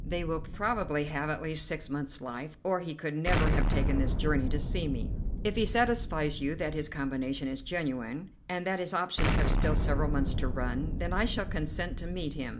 They will probably have at least six months' life, or he could never have taken this journey to see me. If he satisfies you that his combination is genuine, and that his options have still several months to run, then I shall consent to meet him.